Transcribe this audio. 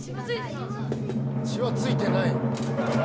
血は付いてない！